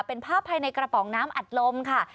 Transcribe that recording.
เป็นภาพภายในกระป๋องน้ำอัดลมค่ะ